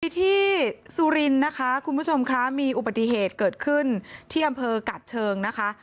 ที่สุรินทร์นะคะคุณผู้ชมค่ะมีอุบัติเหตุเกิดขึ้นที่อำเภอกาบเชิงนะคะ